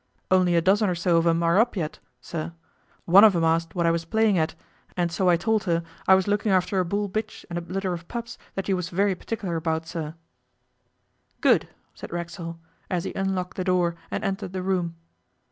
'Only a dozen or so of 'em are up yet, sir. One of 'em asked what I was playing at, and so I told her I was looking after a bull bitch and a litter of pups that you was very particular about, sir.' 'Good,' said Racksole, as he unlocked the door and entered the room.